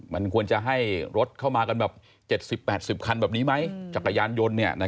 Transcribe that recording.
มันควรจะให้รถเข้ามากันแบบ๗๐๘๐คันแบบนี้ไหมจักรยานยนต์